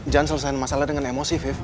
jangan selesain masalah dengan emosi afif